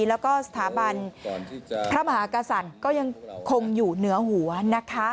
แล้วก็สถาบันพระมหากษัตริย์ก็ยังคงอยู่เหนือหัวนะคะ